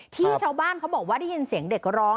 ที่ชาวบ้านเขาบอกว่าได้ยินเสียงเด็กร้อง